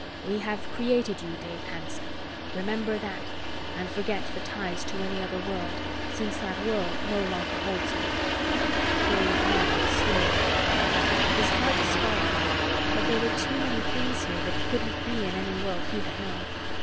We have created you, Dave Hanson. Remember that, and forget the ties to any other world, since that world no longer holds you." Dave nodded slowly. It was hard to swallow, but there were too many things here that couldn't be in any world he had known.